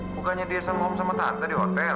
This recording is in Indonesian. bukannya dia sama om sama tante di hotel